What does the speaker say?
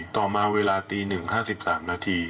ต่อมาเวลาตี๑๕๓นาที